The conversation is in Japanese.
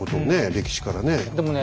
歴史からね。